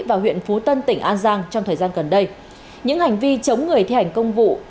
và huyện phú tân tỉnh an giang trong thời gian gần đây những hành vi chống người thi hành công vụ